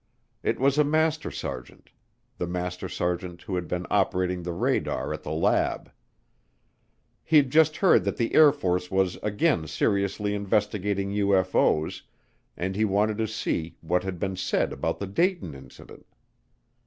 It was a master sergeant, the master sergeant who had been operating the radar at the lab. He'd just heard that the Air Force was again seriously investigating UFO's and he wanted to see what had been said about the Dayton Incident.